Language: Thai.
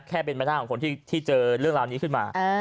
แค่เป็นไปได้ของคนที่เจอเรื่องราวนี้ขึ้นมา